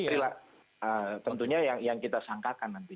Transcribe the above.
dan peril peril tentunya yang kita sangkakan nanti